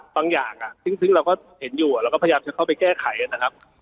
บางอย่างซึ่งเราก็เห็นอยู่เราก็พยายามจะเข้าไปแก้ไขนะครับ